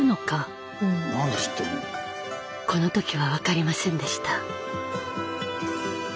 この時は分かりませんでした。